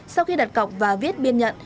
sau khi đặt cọc và viết biên nhận